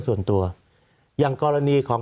สวัสดีครับทุกคน